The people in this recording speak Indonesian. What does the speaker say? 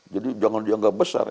jadi jangan dianggap besar